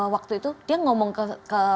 waktu itu dia ngomong ke